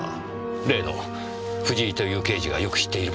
例の藤井という刑事がよく知っている場所のはずです。